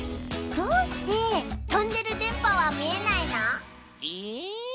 どうしてとんでるでんぱはみえないの？え？